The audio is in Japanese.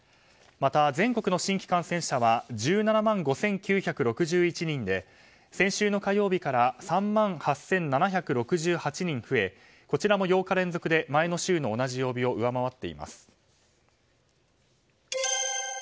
また、全国の新規感染者は１７万５９６１人で先週の火曜日から３万８７６８人増えこちらも８日連続で前の週の同じ曜日を上回っています。